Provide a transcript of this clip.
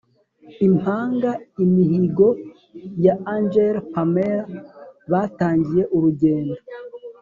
Impanga! Imihigo ya angel&pamella batangiye urugendo